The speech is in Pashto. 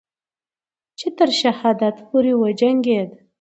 چې تر شهادت پورې وجنگید